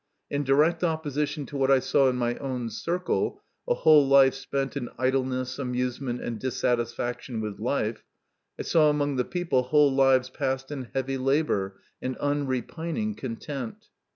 In direct opposition to what I saw in my own circle a whole life spent in idleness, amusement, and dissatisfaction with life I saw among the people whole lives passed in heavy labour and unrepining content.